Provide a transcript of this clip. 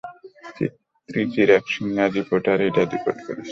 ত্রিচির এক senior reporter এইটার report করেছে।